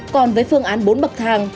còn với phương án bốn bậc thang